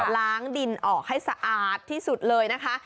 ล้างดินออกให้สะอาดที่สุดเลยนะคะ